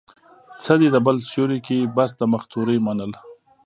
څه دي د بل سيوري کې، بس د مختورۍ منل